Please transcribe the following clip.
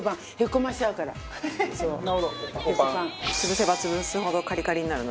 潰せば潰すほどカリカリになるので。